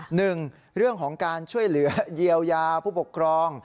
หนึ่งเรื่องของการช่วยเหลือเยียวยาผู้ปกครอง